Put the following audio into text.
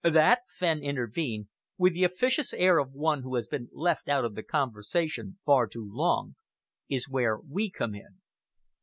"That," Fenn intervened, with the officious air of one who has been left out of the conversation far too long, "is where we come in.